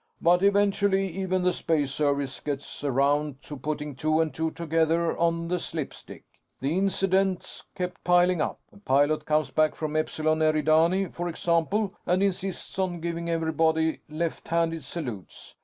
"But eventually, even the Space Service gets around to putting two and two together on the slipstick. The incidents kept piling up. A pilot comes back from Epsilon Eridani, for example, and insists on giving everybody left handed salutes.